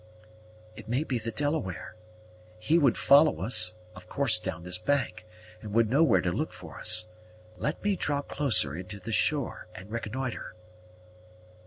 "It may be the Delaware. He would follow us, of course down this bank, and would know where to look for us. Let me draw closer into the shore, and reconnoitre."